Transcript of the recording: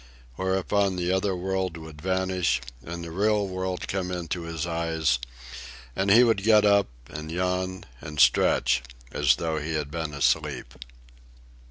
Whereupon the other world would vanish and the real world come into his eyes, and he would get up and yawn and stretch as though he had been asleep.